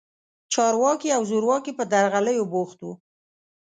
چارواکي او زورواکي په درغلیو بوخت وو.